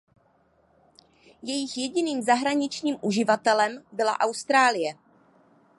Jejich jediným zahraničním uživatelem byla Austrálie.